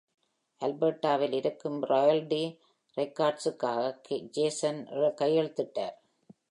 அல்பெர்டாவில் இருக்கும் இராயல்டி ரெக்கார்ட்ஸுக்காகஜேசன் கையெழுத்திட்டார்.